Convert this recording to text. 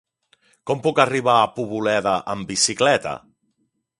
Com puc arribar a Poboleda amb bicicleta?